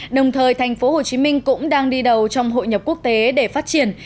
đồng thời thành phố hồ chí minh cũng đang đi đầu trong hội nhập quốc tế để phát triển